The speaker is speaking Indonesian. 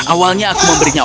awalnya aku memberinya uang